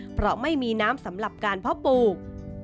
เพราะไม่มีน้ำสำหรับการเพาะปลูก